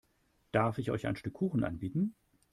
Darf ich euch ein Stück Kuchen anbieten?